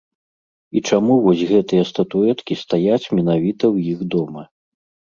І чаму вось гэтыя статуэткі стаяць менавіта ў іх дома.